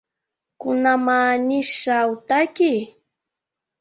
Kuna maanisha hutaki?